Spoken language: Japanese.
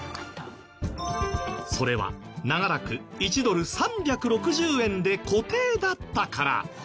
それは長らく１ドル３６０円で固定だったから。